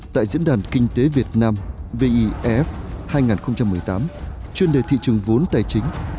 tại diễn đàn kinh tế việt nam vef hai nghìn một mươi tám chuyên đề thị trường vốn tài chính